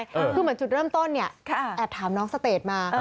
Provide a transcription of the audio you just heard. คือเหมือนจุดเริ่มต้นเนี่ยแอบถามน้องสเตจมา